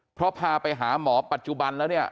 เพราะพาไปหาหมอปัจจุบันแล้วเนี่ย